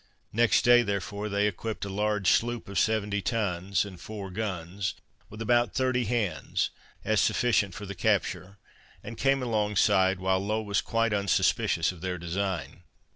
Next day, therefore, they equipped a large sloop of 70 tons, and four guns, with about 30 hands, as sufficient for the capture, and came alongside, while Low was quite unsuspicious of their design.